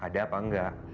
ada apa enggak